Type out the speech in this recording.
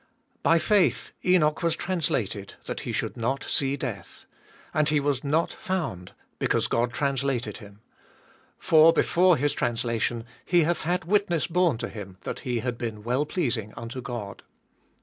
By faith Enoch was translated that he should not see death; and he was not found, because God translated him : for before his translation he hath had witness borne to Mm that he had been well pleasing unto God.